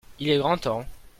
il est grand temps.